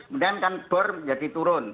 kemudian kan dorm jadi turun